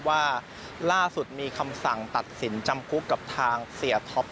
ว่าล่าสุดมีคำสั่งตัดสินจำคุกกับทางเสียท็อป